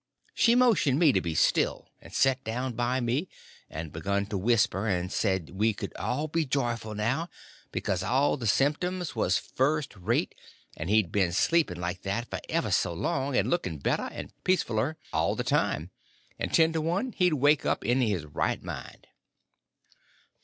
She motioned me to be still, and set down by me, and begun to whisper, and said we could all be joyful now, because all the symptoms was first rate, and he'd been sleeping like that for ever so long, and looking better and peacefuller all the time, and ten to one he'd wake up in his right mind.